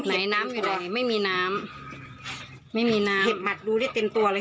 ไหนน้ำอยู่ในไม่มีน้ำไม่มีน้ำเห็บหมัดดูได้เต็มตัวเลย